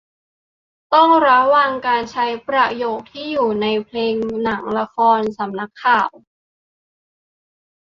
ต้องระวังการใช้ประโยคที่อยู่ในเพลง หนัง ละคร สำนักข่าว